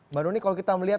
mbak nuni kalau kita melihat